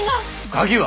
鍵は？